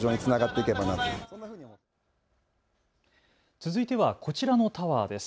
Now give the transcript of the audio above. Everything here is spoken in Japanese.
続いてはこちらのタワーです。